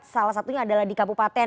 salah satunya adalah di kabupaten